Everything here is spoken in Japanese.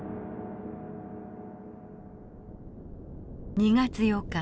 ２月８日。